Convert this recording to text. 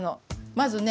まずね